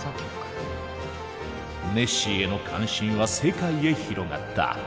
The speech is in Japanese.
ネッシーへの関心は世界へ広がった。